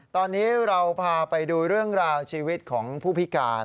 ตอนนี้เราพาไปดูเรื่องราวชีวิตของผู้พิการ